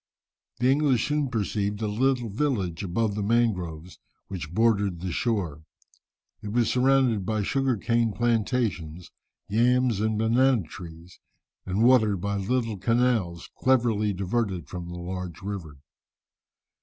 The English soon perceived a little village above the mangroves which bordered the shore. It was surrounded by sugar cane plantations, yams, and banana trees, and watered by little canals, cleverly diverted from the large river.